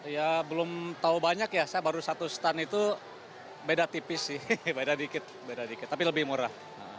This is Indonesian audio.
ya belum tahu banyak ya saya baru satu stand itu beda tipis sih beda dikit beda dikit tapi lebih murah